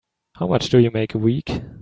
How much do you make a week?